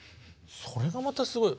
それがまたすごい。